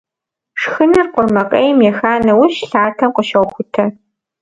Шхыныр къурмакъейм еха нэужь, лъатэм къыщохутэ.